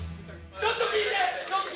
ちょっと聞いて！